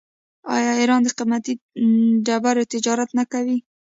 آیا ایران د قیمتي ډبرو تجارت نه کوي؟